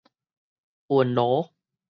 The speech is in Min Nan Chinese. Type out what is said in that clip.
韻鑼